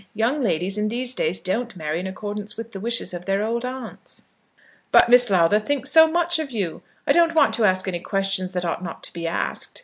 Young ladies in these days don't marry in accordance with the wishes of their old aunts." "But Miss Lowther thinks so much of you! I don't want to ask any questions that ought not to be asked.